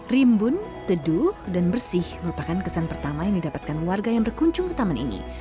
rimbun teduh dan bersih merupakan kesan pertama yang didapatkan warga yang berkunjung ke taman ini